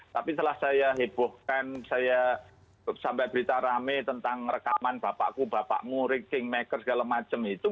tapi setelah saya hebohkan saya sampai berita rame tentang rekaman bapakku bapakmu ranking maker segala macam itu